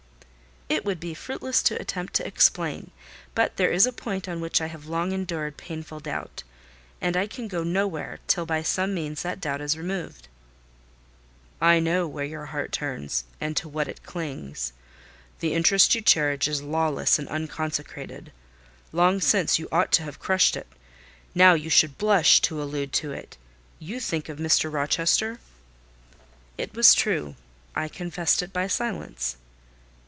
"It would be fruitless to attempt to explain; but there is a point on which I have long endured painful doubt, and I can go nowhere till by some means that doubt is removed." "I know where your heart turns and to what it clings. The interest you cherish is lawless and unconsecrated. Long since you ought to have crushed it: now you should blush to allude to it. You think of Mr. Rochester?" It was true. I confessed it by silence.